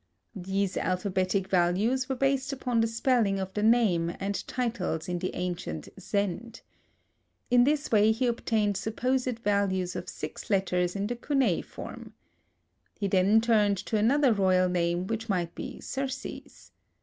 These alphabetic values were based upon the spelling of the name and titles in the ancient Zend. In this way he obtained supposed values of six letters in the cuneiform. He then turned to another royal name which might be Xerxes.